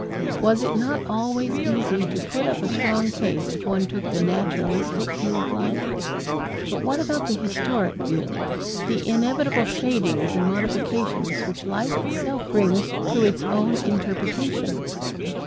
Was it not always easy to put up a strong case if one took the naturalistic view of life? But what about the historic view, the inevitable shadings and modifications which life itself brings to its own interpretation?